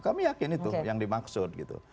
kami yakin itu yang dimaksud gitu